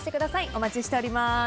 お待ちしております。